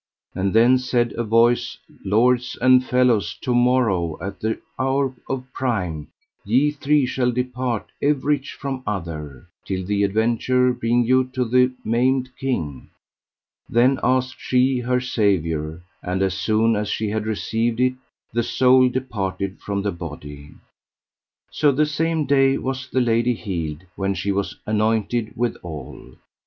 And then said a voice: Lords and fellows, to morrow at the hour of prime ye three shall depart everych from other, till the adventure bring you to the Maimed King. Then asked she her Saviour; and as soon as she had received it the soul departed from the body. So the same day was the lady healed, when she was anointed withal.